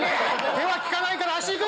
手は効かないから足いく！